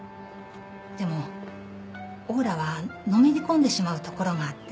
でも王羅はのめり込んでしまうところがあって。